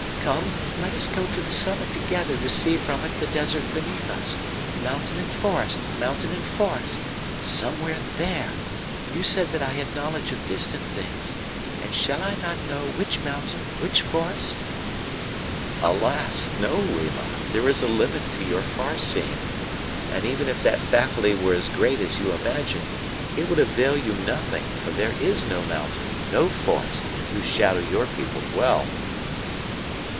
Come, let us go to the summit together to see from it the desert beneath us mountain and forest, mountain and forest. Somewhere there! You said that I had knowledge of distant things. And shall I not know which mountain which forest?" "Alas! no, Rima; there is a limit to your far seeing; and even if that faculty were as great as you imagine, it would avail you nothing, for there is no mountain, no forest, in whose shadow your people dwell."